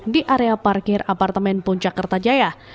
di area parkir apartemen puncak kertajaya